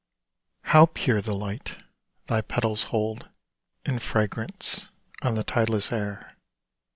How pure the light thy petals hold In fragrance on the tideless air!